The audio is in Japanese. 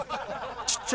ちっちゃ。